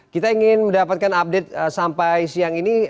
kita ingin mendapatkan update sampai siang ini